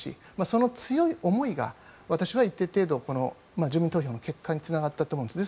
その強い思いが私は一定程度住民投票の結果につながったと思うんです。